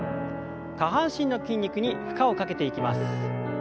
下半身の筋肉に負荷をかけていきます。